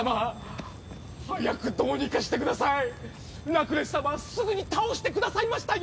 ラクレス様はすぐに倒してくださいましたよ！？